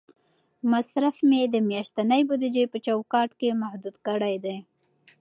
مصرف مې د میاشتنۍ بودیجې په چوکاټ کې محدود کړی دی.